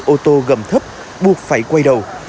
ô tô gầm thấp buộc phải quay đầu